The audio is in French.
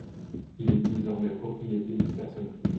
Il est désormais propriété d'une personne privée.